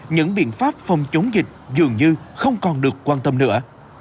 những biện pháp phòng chống dịch dường như không còn được quan tâm nữa